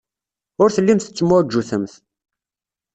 Ur tellimt tettemɛujjutemt.